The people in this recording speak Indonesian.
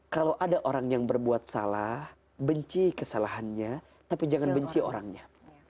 kalau ada orang yang berbuat salah benci kesalahannya tapi jangan benci orangnya